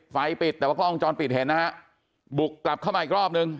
ไฟปิดแต่ว่ากล้องจอดปิดแฟนนะฮะบุกปรับเข้ามาอีกรอบหนึ่ง